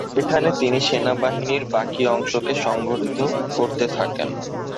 এখানে তিনি সেনাবাহিনীর বাকি অংশকে সংগঠিত করতে থাকেন।